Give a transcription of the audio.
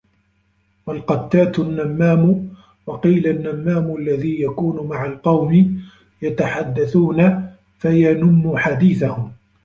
وَالْقَتَّاتُ النَّمَّامُ وَقِيلَ النَّمَّامُ الَّذِي يَكُونُ مَعَ الْقَوْمِ يَتَحَدَّثُونَ فَيَنُمُّ حَدِيثَهُمْ